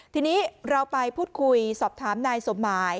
ทีนี้เราไปพูดคุยสอบถามนายสมหมาย